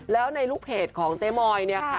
แล้วในลูกเพจของเจ๊มอยเนี่ยค่ะ